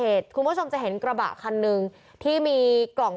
เพราะถูกทำร้ายเหมือนการบาดเจ็บเนื้อตัวมีแผลถลอก